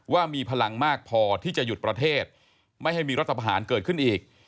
ว่ามีพลังมากพอที่จะหยุดประเทศไม่ให้มีรัฐประหารเกิดขึ้นอีก